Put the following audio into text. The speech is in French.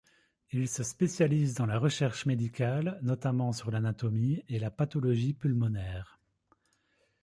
Il se spécialise dans la recherche médicale, notamment sur l'anatomie et la pathologie pulmonaire.